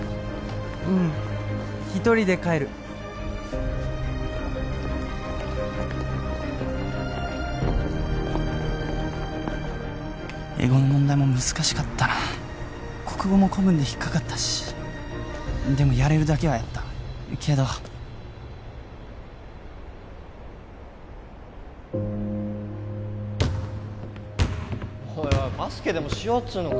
ううん１人で帰る英語の問題も難しかったな国語も古文で引っかかったしでもやれるだけはやったけどオイオイバスケでもしようっつうのか？